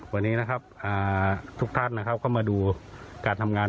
วันนี้นะครับทุกท่านนะครับก็มาดูการทำงาน